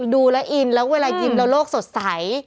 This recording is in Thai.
ดูแล้วอินแล้วเวลายิ้มแล้วโลกสดใส